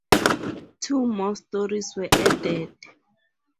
Two more stories were added.